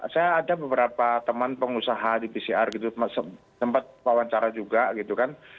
saya ada beberapa teman pengusaha di pcr gitu sempat wawancara juga gitu kan